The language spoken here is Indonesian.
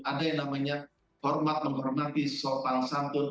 ada yang namanya hormat menghormati sopan sampun